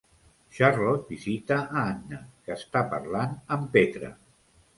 Charlotte visita a Anna, que està parlant amb Petra.